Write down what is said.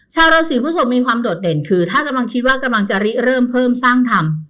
ชาวราศีพฤศพมีความโดดเด่นคือถ้ากำลังคิดว่ากำลังจะเริ่มเพิ่มสร้างธรรม